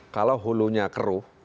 kalau hulunya keruh